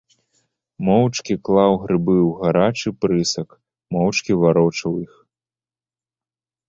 Моўчкі клаў грыбы ў гарачы прысак, моўчкі варочаў іх.